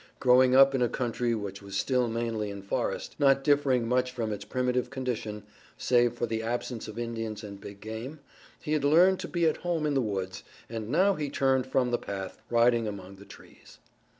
Growing up in a country which was still mainly in forest, not differing much from its primitive condition, save for the absence of Indians and big game, he had learned to be at home in the woods, and now he turned from the path, riding among the trees.